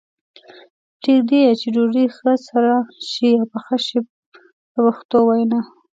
پرېږدي یې چې ډوډۍ ښه سره شي او پخه شي په پښتو وینا.